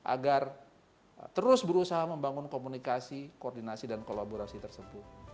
agar terus berusaha membangun komunikasi koordinasi dan kolaborasi tersebut